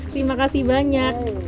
terima kasih banyak